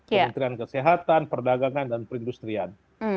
kementerian kesehatan perdagangan dan perindustrian